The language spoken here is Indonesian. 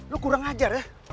lu kurang ajar ya